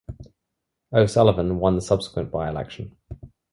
O'Sullivan won the subsequent by-election.